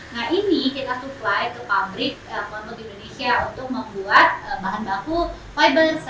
nah ini kita supply ke pabrik produk indonesia untuk membuat bahan baku fiber